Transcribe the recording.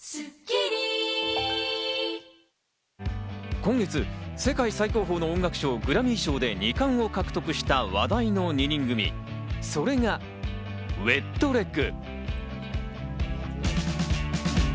今月、世界最高峰の音楽賞・グラミー賞で二冠を獲得した話題の２人組、それがＷｅｔＬｅｇ。